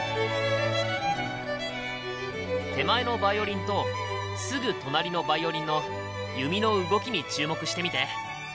手前のヴァイオリンとすぐ隣のヴァイオリンの弓の動きに注目してみて！